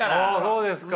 そうですか。